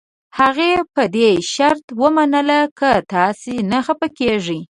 هغه یې په دې شرط ومنله که تاسي نه خفه کېږئ.